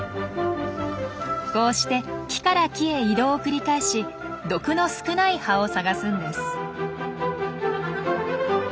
こうして木から木へ移動を繰り返し毒の少ない葉を探すんです。